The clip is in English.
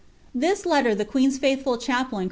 This letter the queen's faithful chaplain.